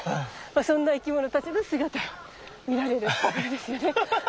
そんな生き物たちの姿を見られる感じですよね。